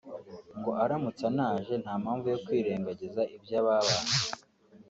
ngo aramutse anaje nta mpamvu yo kwirenganziza ibyabanje